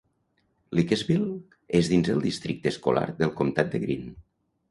Leakesville és dins el districte escolar del comtat de Greene.